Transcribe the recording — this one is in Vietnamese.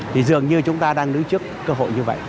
thì dường như chúng ta đang đứng trước cơ hội như vậy